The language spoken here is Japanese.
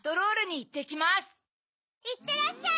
・いってらっしゃい！